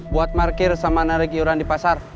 buat parkir sama narik iuran di pasar